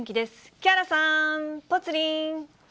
木原さん、ぽつリン。